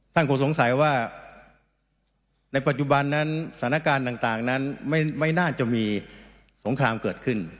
คงสงสัยว่าในปัจจุบันนั้นสถานการณ์ต่างนั้นไม่น่าจะมีสงครามเกิดขึ้น